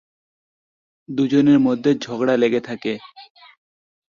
দুজনের মধ্যে ঝগড়া লেগে থাকে।